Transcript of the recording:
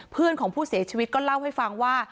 เพื่อนของผู้เสียชีวิตก็เล่าให้ฟังว่า